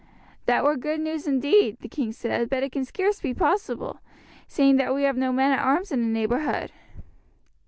"That were good news indeed," the king said; "but it can scarce be possible, seeing that we have no men at arms in the neighbourhood."